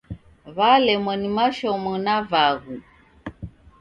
W'alemwa ni mashomo na vaghu.